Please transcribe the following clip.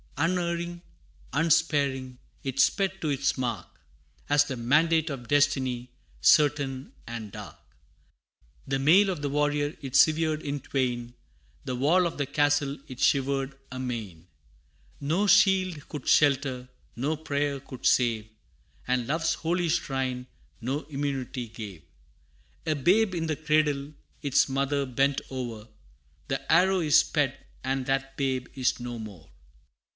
Unerring, unsparing, it sped to its mark, As the mandate of destiny, certain and dark. The mail of the warrior it severed in twain, The wall of the castle it shivered amain: No shield could shelter, no prayer could save, And Love's holy shrine no immunity gave. A babe in the cradle its mother bent o'er, The arrow is sped, and that babe is no more!